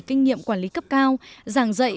kinh nghiệm quản lý cấp cao giảng dạy